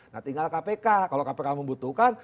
nah tinggal kpk kalau kpk membutuhkan